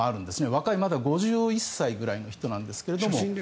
若い、まだ５１歳ぐらいの人なんですが。